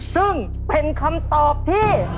ซึ่งเป็นคำตอบที่